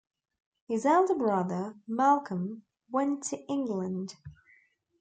His elder brother, Malcolm, went to England.